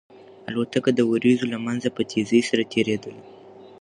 الوتکه د وريځو له منځه په تېزۍ سره تېرېدله.